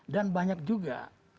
dan banyak juga